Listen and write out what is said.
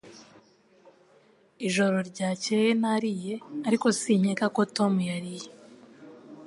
Ijoro ryakeye nariye, ariko sinkeka ko Tom yariye.